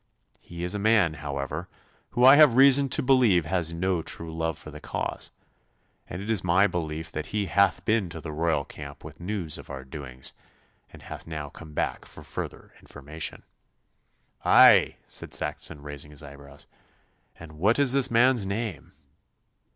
He is a man, however, who I have reason to believe has no true love for the cause, and it is my belief that he hath been to the Royal camp with news of our doings, and hath now come back for further information.' 'Aye!' said Saxon, raising his eyebrows. 'And what is the man's name?